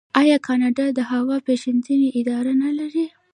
آیا کاناډا د هوا پیژندنې اداره نلري؟